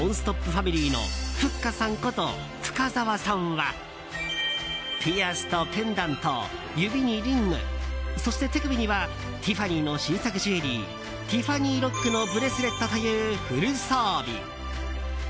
ファミリーのふっかさんこと深澤さんはピアスとペンダント指にリングそして手首にはティファニーの新作ジュエリーティファニーロックのブレスレットというフル装備。